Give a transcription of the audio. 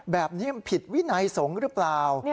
แบบนี้มันผิดวินัยสงฆ์หรือเปล่า